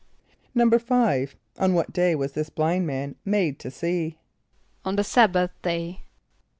= =5.= On what day was this blind man made to see? =On the sabbath day.